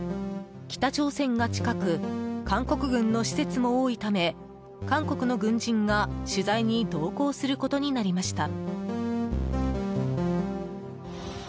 北朝鮮が近く韓国軍の施設も多いため韓国の軍人が取材に同行することになりました。